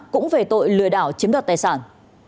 cũng về tội lừa đảo chiếm đoạt tài sản